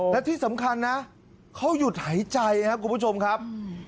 และที่สำคัญนะเขาหยุดหายใจครับคุณผู้ชมครับ